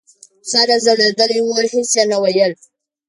سر یې ځړېدلی و هېڅ یې نه ویل !